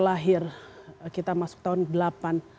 lahir kita masuk tahun